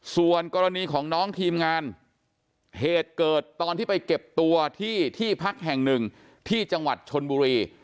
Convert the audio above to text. ส่วนกรณีของน้องทีมงานเหตุเกิดตอนที่ไปเก็บตัวที่ที่พักแห่งหนึ่งที่จังหวัดชนบุรี